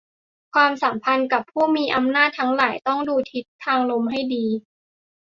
ความสัมพันธ์กับผู้มีอำนาจทั้งหลายต้องดูทิศทางลมให้ดี